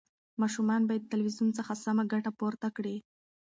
ماشومان باید د تلویزیون څخه سمه ګټه پورته کړي.